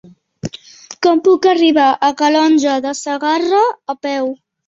Com puc arribar a Calonge de Segarra a peu?